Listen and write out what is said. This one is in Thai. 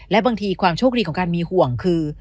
และบางทีความโชคดีของการมีห่วงคือ